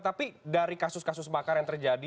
tapi dari kasus kasus makar yang terjadi